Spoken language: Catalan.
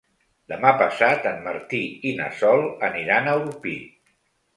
Demà passat en Martí i na Sol aniran a Orpí.